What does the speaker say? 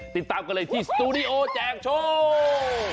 ติดตามกันเลยที่สตูดิโอแจกโชค